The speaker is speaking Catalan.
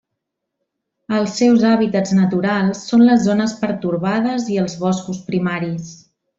Els seus hàbitats naturals són les zones pertorbades i els boscos primaris.